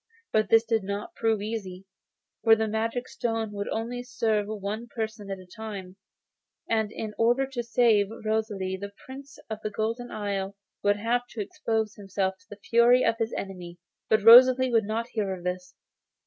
But this did not prove easy, for the magic stone would only serve for one person at a time, and in order to save Rosalie the Prince of the Golden Isle would have to expose himself to the fury of his enemy. But Rosalie would not hear of this.